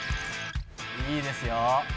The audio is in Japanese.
「いいですよ！」